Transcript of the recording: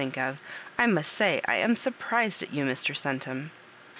think of, I must say I am surprised at you, Mr. Oentum."